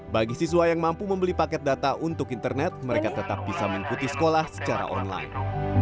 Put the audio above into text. bagi siswa yang mampu membeli paket data untuk internet mereka tetap bisa mengikuti sekolah secara online